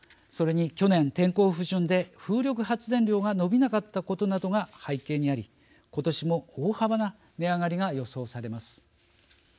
それに去年、天候不順で風力発電量が伸びなかったことなどが背景にありことしも大幅な値上がりが予想されます。